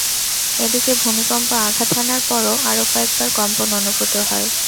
এদিকে ভূমিকম্প আঘাত হানার পরও আরো কয়েকবার কম্পন অনুভূত হয়।